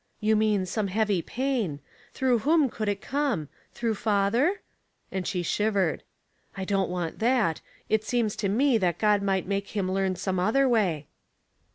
" You mean some heavy paiu. Through whom could it come ? through father ?" and she shivered. "I don't want that; it seems to to me that God might make him learn some other way."